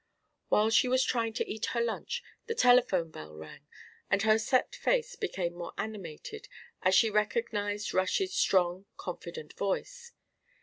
While she was trying to eat her lunch, the telephone bell rang, and her set face became more animated as she recognised Rush's strong confident voice.